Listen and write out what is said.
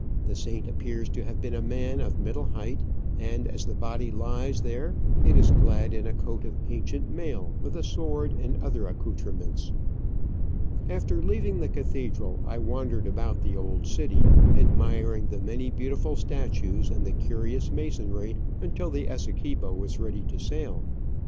The saint appears to have been a man of middle height, and as the body lies there it is clad in a coat of ancient mail, with a sword and other accoutrements. After leaving the cathedral, I wandered about the old city, admiring the many beautiful statues and the curious masonry, until the Essequibo was ready to sail.